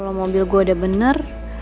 kalau mobil gue udah bener